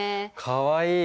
かわいい！